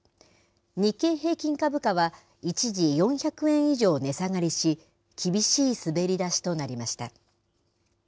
日経平均株価は、一時４００円以上値下がりし、厳しい滑り出しとなりました。